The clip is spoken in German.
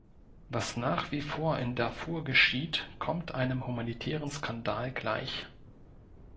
Was nach wie vor in Darfur geschieht kommt einem humanitären Skandal gleich.